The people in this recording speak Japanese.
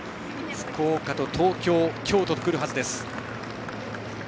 福岡と東京、京都と来るはずです。